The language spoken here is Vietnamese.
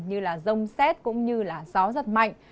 như rông xét gió giật mạnh